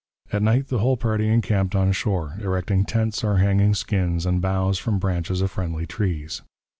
At night the whole party encamped on shore, erecting tents or hanging skins and boughs from branches of friendly trees.